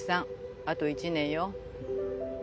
あと１年よ。